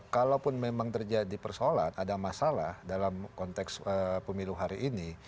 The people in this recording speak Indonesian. kalaupun memang terjadi persoalan ada masalah dalam konteks pemilu hari ini